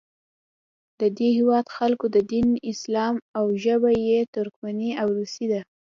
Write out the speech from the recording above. د دې هیواد خلکو دین اسلام او ژبه یې ترکمني او روسي ده.